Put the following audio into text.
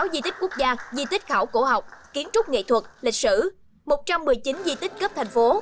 sáu di tích quốc gia di tích khảo cổ học kiến trúc nghệ thuật lịch sử một trăm một mươi chín di tích cấp thành phố